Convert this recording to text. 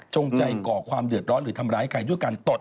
ใจก่อความเดือดร้อนหรือทำร้ายใครด้วยกัน